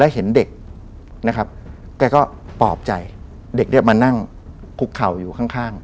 เห็นเด็กนะครับแกก็ปลอบใจเด็กเนี่ยมานั่งคุกเข่าอยู่ข้างข้าง